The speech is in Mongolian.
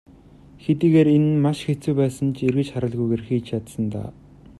Хэдийгээр энэ нь маш хэцүү байсан ч эргэж харалгүйгээр хийж чадсан даа.